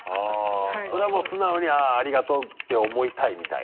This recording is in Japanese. それはもう素直に「ありがとう」て思いたいみたいな？